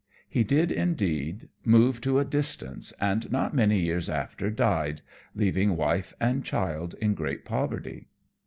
He did, indeed, move to a distance, and not many years after died, leaving wife and child in great poverty.